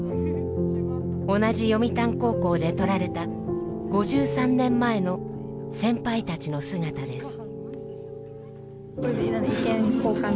同じ読谷高校で撮られた５３年前の先輩たちの姿です。